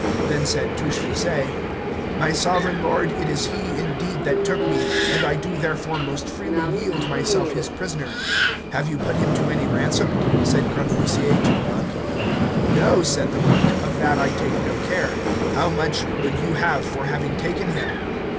Then said Touchfaucet, My sovereign lord it is he indeed that took me, and I do therefore most freely yield myself his prisoner. Have you put him to any ransom? said Grangousier to the monk. No, said the monk, of that I take no care. How much would you have for having taken him?